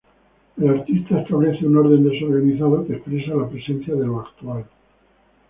El artista establece un orden desorganizado que expresa la presencia de lo actual.